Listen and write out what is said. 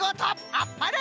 あっぱれ！